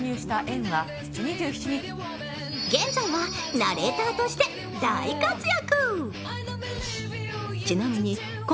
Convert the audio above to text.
現在はナレーターとして大活躍。